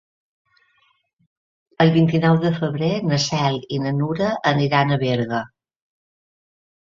El vint-i-nou de febrer na Cel i na Nura aniran a Berga.